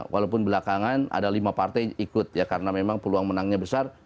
walaupun belakangan ada lima partai yang ikut ya karena memang peluang menangnya besar